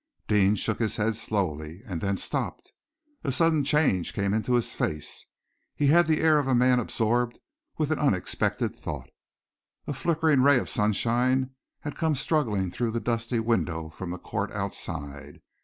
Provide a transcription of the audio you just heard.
Deane shook his head slowly, and then stopped. A sudden change came into his face. He had the air of a man absorbed with an unexpected thought. A flickering ray of sunshine had come struggling through the dusty window from the court outside.